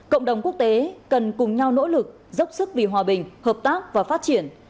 cộng đồng quốc tế cần cùng nhau nỗ lực dốc sức vì hòa bình hợp tác và phát triển